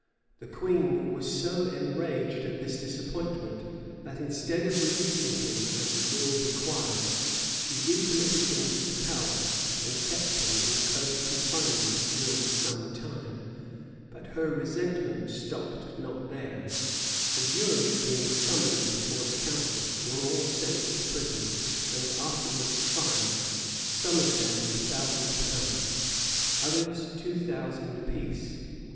The queen was so enraged at this disappointment, that, instead of releasing him as the law required, she recommitted him to the Tower, and kept him in close confinement during some time. But her resentment stopped not here: the jury, being summoned before the council, were all sent to prison, and afterwards fined, some of them a thousand pounds, others two thousand apiece.